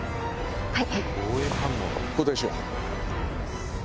はい。